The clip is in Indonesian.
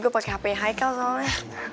gue pake hp yang high cal soalnya